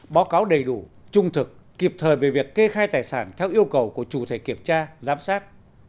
báo cáo đầy đủ trung thực kịp thời về việc kê khai tài sản theo yêu cầu của chủ thể kiểm tra giám sát